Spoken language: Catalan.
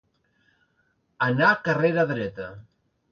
Anar carrera dreta.